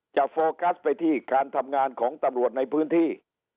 โฟกัสไปที่การทำงานของตำรวจในพื้นที่